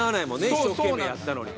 一生懸命やったのにと。